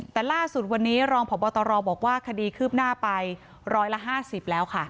แต่ล่าสุดวันนี้รองพบตรบอกว่าคดีคืบหน้าไปร้อยละ๕๐แล้วค่ะ